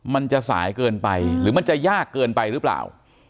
มันจะสายเกินไปหรือมันจะยากเกินไปหรือเปล่า